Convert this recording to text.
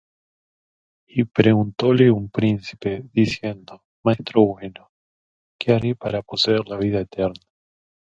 Y preguntóle un príncipe, diciendo: Maestro bueno, ¿qué haré para poseer la vida eterna?